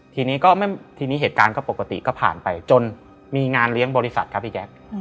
ทีนี้ก็ทีนี้เหตุการณ์ก็ปกติก็ผ่านไปจนมีงานเลี้ยงบริษัทครับพี่แจ๊ค